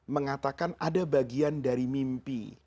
mengatakan ada bagian dari mimpi